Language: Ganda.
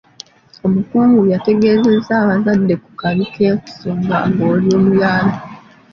Omukungu yategeezezza abazadde ku kabi k'okusonga ng'oli muyala.